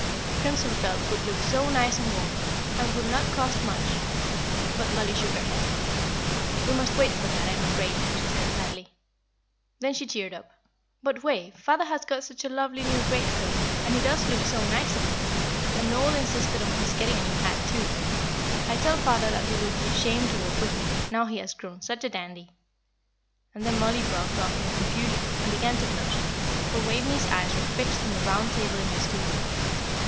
Crimson felt would look so nice and warm, and would not cost much." But Mollie shook her head. "We must wait for that, I am afraid," she said, sadly. Then she cheered up. "But, Wave, father has got such a lovely new great coat, and he does look so nice in it; and Noel insisted on his getting a new hat, too. I tell father that he will be ashamed to walk with me, now he has grown such a dandy." And then Mollie broke off in confusion, and began to blush, for Waveney's eyes were fixed on the round table in the studio.